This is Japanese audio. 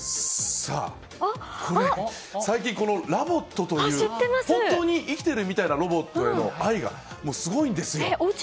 これ、ＬＯＶＯＴという本当に生きているみたいなロボットへの愛がすごいんですよ。